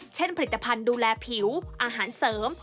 ผลิตภัณฑ์ดูแลผิวอาหารเสริม